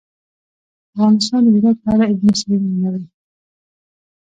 افغانستان د هرات په اړه علمي څېړنې لري.